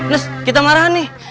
nes kita marah nih